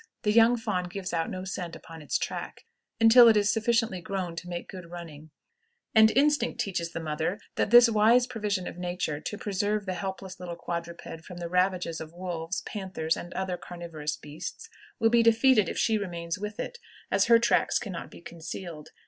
The young fawn gives out no scent upon its track until it is sufficiently grown to make good running, and instinct teaches the mother that this wise provision of nature to preserve the helpless little quadruped from the ravages of wolves, panthers, and other carnivorous beasts, will be defeated if she remains with it, as her tracks can not be concealed.